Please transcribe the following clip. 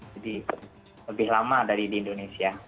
jadi lebih lama dari di indonesia